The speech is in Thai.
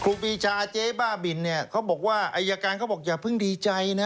ครูปีชาเจ๊บ้าบินเนี่ยเขาบอกว่าอายการเขาบอกอย่าเพิ่งดีใจนะ